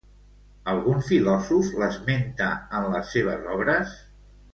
Algun filòsof l'esmenta en les seves obres?